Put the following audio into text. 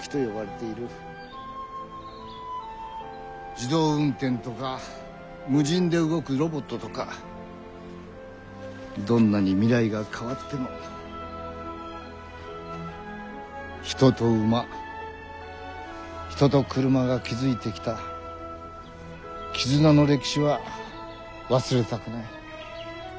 自動運転とか無人で動くロボットとかどんなに未来が変わっても人と馬人と車が築いてきた絆の歴史は忘れたくない。